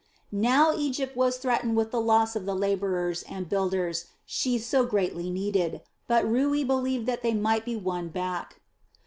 Now Egypt was threatened with the loss of the laborers and builders she so greatly needed, but Rui believed that they might be won back.